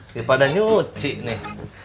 kepada nyuci nih